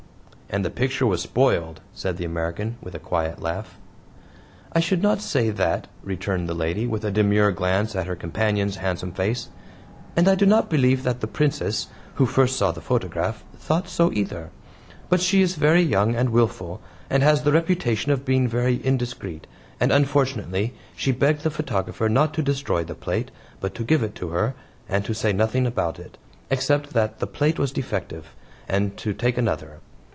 "And the picture was spoiled," said the American, with a quiet laugh. "I should not say that," returned the lady, with a demure glance at her companion's handsome face, "and I do not believe that the Princess who first saw the photograph thought so either. But she is very young and willful, and has the reputation of being very indiscreet, and unfortunately she begged the photographer not to destroy the plate, but to give it to her, and to say nothing about it, except that the plate was defective, and to take another.